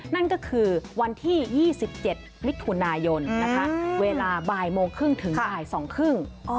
นั่นก็คือวันที่๒๗มิถุนายนนะคะเวลาบ่ายโมงครึ่งถึงบ่าย๒๓๐